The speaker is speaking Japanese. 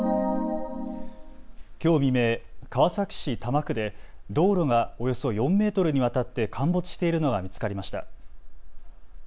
きょう未明、川崎市多摩区で道路がおよそ４メートルにわたって陥没しているのが見つかりました。